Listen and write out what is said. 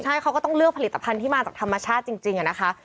ใช่เขาก็ต้องเลือกผลิตภัณฑ์ที่มาจากธรรมชาติจริงอะนะคะ